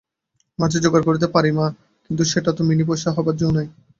মাছের জোগাড় করিতে পারি মা, কিন্তু সেটা তো মিনি পয়সায় হইবার জো নাই।